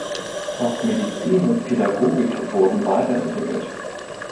Auch Medizin und Pädagogik wurden weiterentwickelt.